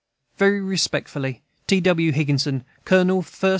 Very respectfully, T. W. HIGGINSON, Colonel 1st S.